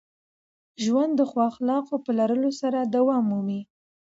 ژوند د ښو اخلاقو په لرلو سره دوام مومي.